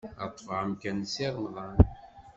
Ad ṭṭfeɣ amkan n Si Remḍan.